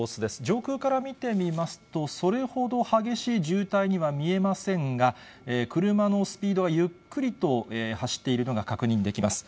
上空から見てみますと、それほど激しい渋滞には見えませんが、車のスピードはゆっくりと走っているのが確認できます。